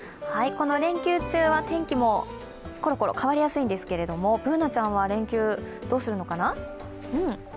この連休中は天気もコロコロ変わりやすいんですけれども、Ｂｏｏｎａちゃんは連休どうするのかな？